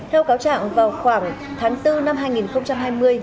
theo cáo trạng vào khoảng tháng bốn năm hai nghìn hai mươi